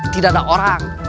tidak ada orang